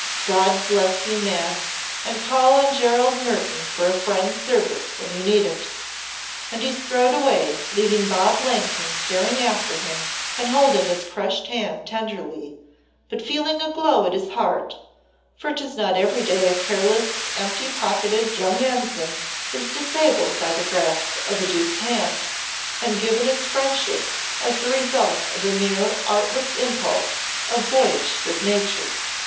God bless you, man, and call on Gerald Mertoun for a friend's service when you need it." And he strode away, leaving Bob Langton staring after him and holding his crushed hand tenderly, but feeling a glow at his heart, for 'tis not every day a careless, empty pocketed young ensign is disabled by the grasp of a Duke's hand, and given his friendship as the result of a mere artless impulse of boyish good nature.